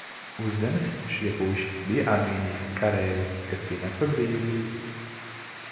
Uz Zemes šie puiši bija armijnieki, kareivji, kas cīnās par brīvību.